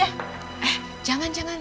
eh jangan jangan